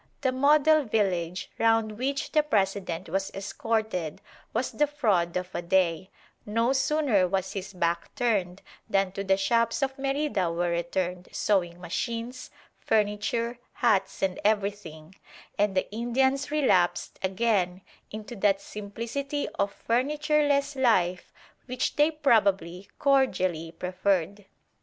The model village round which the President was escorted was the fraud of a day; no sooner was his back turned than to the shops of Merida were returned sewing machines, furniture, hats and everything, and the Indians relapsed again into that simplicity of furnitureless life which they probably cordially preferred.